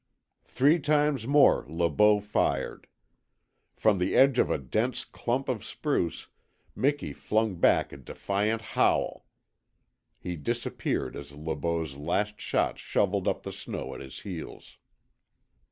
Three times more Le Beau fired. From the edge of a dense clump of spruce Miki flung back a defiant howl. He disappeared as Le Beau's last shot shovelled up the snow at his heels.